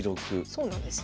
そうなんですよ。